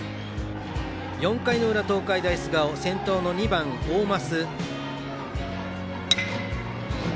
４回の裏、東海大菅生先頭の２番、大舛。